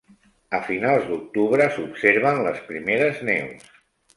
A finals d'octubre, s'observen les primeres neus.